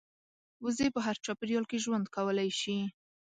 وزې په هر چاپېریال کې ژوند کولی شي